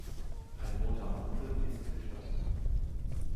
Ein roter Mantel ist gestattet.